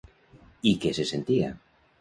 I què se sentia?